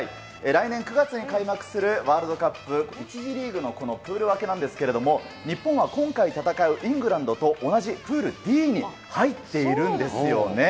来年９月に開幕するワールドカップ１次リーグのこのプール分けなんですけれども、日本は今回戦うイングランドと同じプールＤに入っているんですよね。